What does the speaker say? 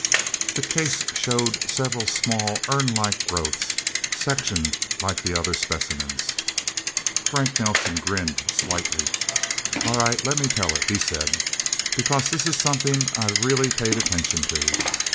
The case showed several small, urn like growths, sectioned like the other specimens. Frank Nelsen grinned slightly. "All right let me tell it," he said. "Because this is something I really paid attention to!